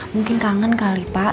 mungkin kangen kali pak